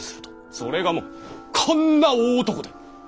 それがもうこんな大男で。